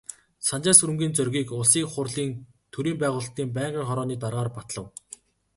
Санжаасүрэнгийн Зоригийг Улсын Их Хурлын төрийн байгуулалтын байнгын хорооны даргаар батлав.